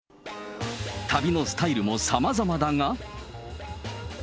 旅のスタイルもさまざまだが。